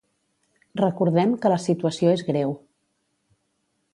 Recordem que la situació és greu.